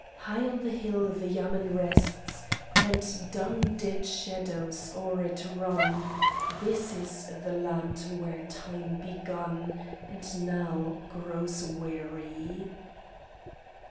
High on the hill the yamên rests, And dun dead shadows o'er it run: This is the land where Time begun And now grows weary.